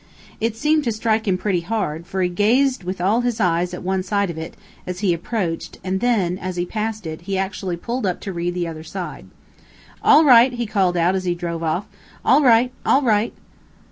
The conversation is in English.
It seemed to strike him pretty hard, for he gazed with all his eyes at one side of it, as he approached, and then, as he passed it, he actually pulled up to read the other side. "All right!" he called out, as he drove off. "All right! All right!"